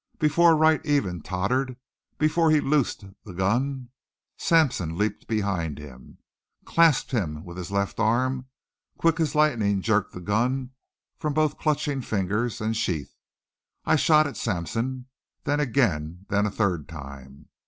Before Wright even tottered, before he loosed the gun, Sampson leaped behind him, clasped him with his left arm, quick as lightning jerked the gun from both clutching fingers and sheath. I shot at Sampson, then again, then a third time.